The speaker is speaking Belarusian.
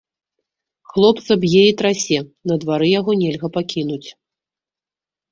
Хлопца б'е і трасе, на двары яго нельга пакінуць.